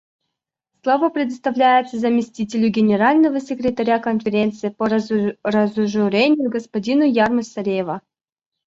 Слово предоставляется заместителю Генерального секретаря Конференции по разоружению господину Ярмо Сарева.